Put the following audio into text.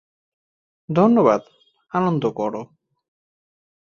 ধন্যবাদ, আনন্দ কর।